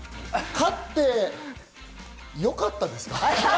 勝ってよかったですか？